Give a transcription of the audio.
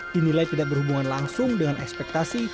dinilai tidak berhubungan langsung dengan ekspektasi